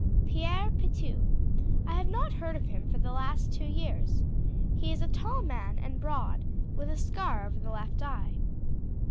"Pierre Pitou. I have not heard of him for the last two years. He is a tall man, and broad, with a scar over the left eye."